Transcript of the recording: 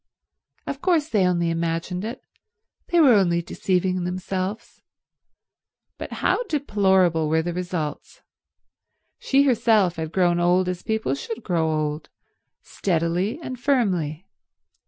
Of course they only imagined it, they were only deceiving themselves; but how deplorable were the results. She herself had grown old as people should grow old—steadily and firmly.